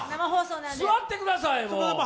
座ってください、もう。